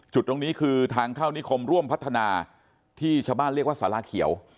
จุดตรงนี้คือทางเข้านิคมร่วมพัฒนาที่ชาวบ้านเรียกว่าสาราเขียว